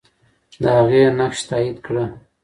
د هغې نقش تایید کړه.